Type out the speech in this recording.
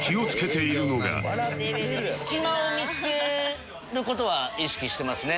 隙間を見付ける事は意識してますね。